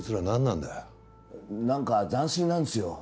なんか斬新なんすよ。